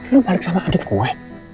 lo balik sama adik gue